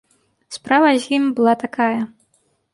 Справа з ім была такая.